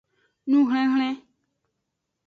Nuhlinhlin.